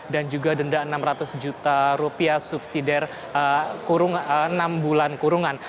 dan juga denda rp enam ratus juta subsidi dari enam bulan kurungan